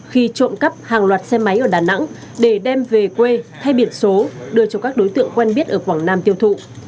khi trộm cắp hàng loạt xe máy ở đà nẵng để đem về quê thay biển số đưa cho các đối tượng quen biết ở quảng nam tiêu thụ